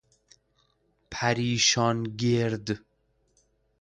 پریشان گرد